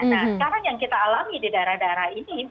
nah sekarang yang kita alami di daerah daerah ini